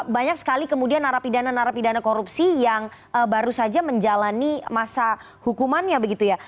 banyak sekali kemudian narapidana narapidana korupsi yang baru saja menjalani masa hukumannya begitu ya